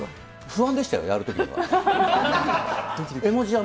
不安でしたよ、やるときには。